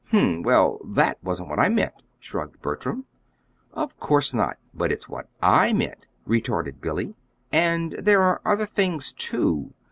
"Hm m; well, THAT wasn't what I meant," shrugged Bertram. "Of course not; but it's what I meant," retorted Billy. "And there are other things, too.